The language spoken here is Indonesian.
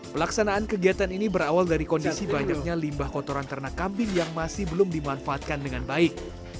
pelaksanaan kegiatan ini berawal dari kondisi banyaknya limbah kotoran ternak kambing yang masih belum dimanfaatkan dengan baik